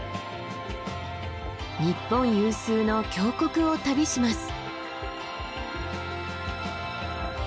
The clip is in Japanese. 日本有数の峡谷を旅します。